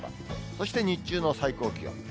そして日中の最高気温。